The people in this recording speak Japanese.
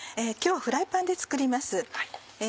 今日はフライパンで作ります。